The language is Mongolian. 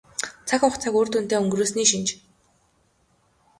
Цаг хугацааг үр дүнтэй өнгөрөөсний шинж.